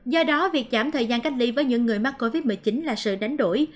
do đó việc giảm thời gian cách ly với những người mắc covid một mươi chín là sự đánh đổi